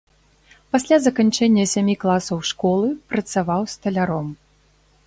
Пасля заканчэння сямі класаў школы працаваў сталяром.